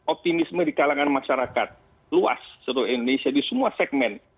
optimisme di kalangan masyarakat luas seluruh indonesia di semua segmen